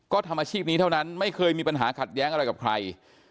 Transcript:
ก็ทำอาชีพนี้เท่านั้นไม่เคยมีปัญหาขัดแย้งอะไรกับใคร